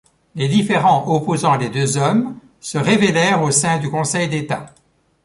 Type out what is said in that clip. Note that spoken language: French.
Les différends opposant les deux hommes se révélèrent au sein du Conseil d'État.